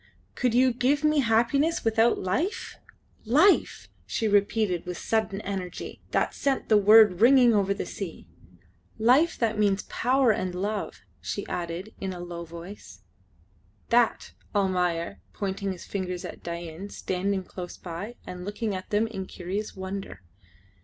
"Could you give me happiness without life? Life!" she repeated with sudden energy that sent the word ringing over the sea. "Life that means power and love," she added in a low voice. "That!" said Almayer, pointing his finger at Dain standing close by and looking at them in curious wonder.